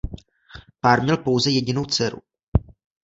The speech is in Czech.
Pár měl pouze jedinou dceru.